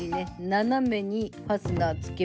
斜めにファスナーつけます。